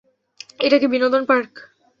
এটা কি বিনোদন পার্ক?